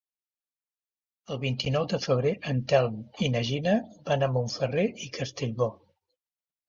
El vint-i-nou de febrer en Telm i na Gina van a Montferrer i Castellbò.